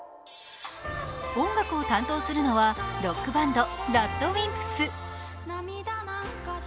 音楽を担当するのはロックバンド・ＲＡＤＷＩＭＰＳ。